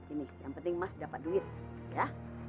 ini yang penting mas dapat duit ya